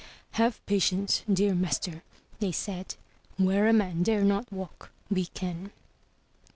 "Have patience, dear master," they said. "Where a man dare not walk, we can.